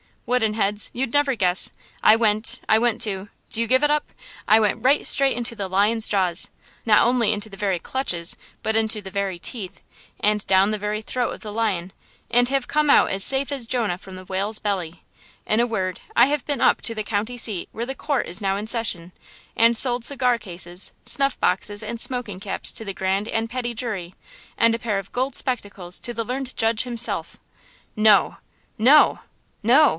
"Wooden heads! you'd never guess! I went–I went to–do you give it up? I went right straight into the lion's jaws–not only into the very clutches, but into the very teeth, and down the very throat of the lion, and have come out as safe as Jonah from the whale's belly! In a word, I have been up to the county seat where the court is now in session, and sold cigar cases, snuff boxes and smoking caps to the grand and petit jury, and a pair of gold spectacles to the learned judge himself!" "No!" "No!!" "No!!!"